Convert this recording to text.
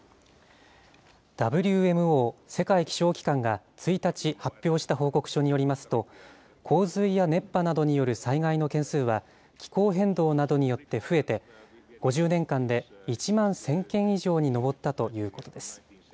ＷＭＯ・世界気象機関が１日、発表した報告書によりますと、洪水や熱波などによる災害の件数は、気候変動などによって増えて、５０年間で１万１０００件以上に上ったということです。